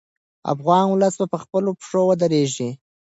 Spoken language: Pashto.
افغان ولس به په خپلو پښو ودرېږي.